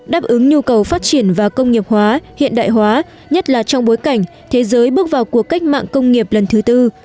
đáp ứng nhu cầu phát triển và công nghiệp hóa hiện đại hóa nhất là trong bối cảnh thế giới bước vào cuộc cách mạng công nghiệp lần thứ tư